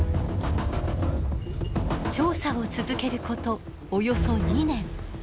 調査を続けることおよそ２年。